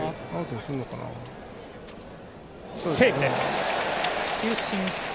セーフです！